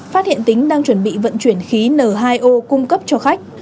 phát hiện tính đang chuẩn bị vận chuyển khí n hai o cung cấp cho khách